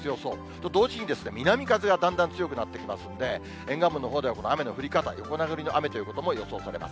と同時に南風がだんだん強まっていきますので、沿岸部のほうではこの雨の降り方、横殴りの雨ということも予想されます。